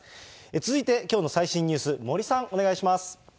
続いて、きょうの最新ニュース、森さん、お願いします。